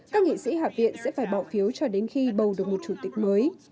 các nghị sĩ hạ viện sẽ phải bỏ phiếu cho đến khi bầu được một chủ tịch mới